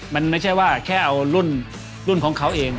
มันไม่ใช่ว่าแค่เอารุ่นของเขาเอง